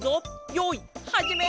よいはじめ！